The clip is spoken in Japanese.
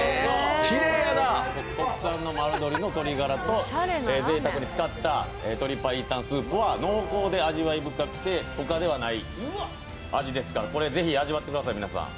国産の丸鶏の鶏ガラをぜいたくに使った鶏白湯スープは濃厚で味わい深くてほかではない味ですからぜひ味わってください、皆さん。